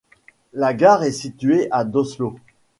La gare est située à d'Oslo.